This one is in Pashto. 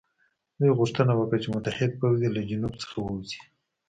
دوی غوښتنه وکړه چې متحد پوځ دې له جنوب څخه ووځي.